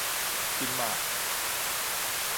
這馬